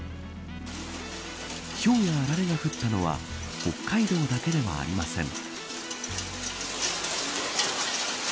ひょうやあられが降ったのは北海道だけではありません。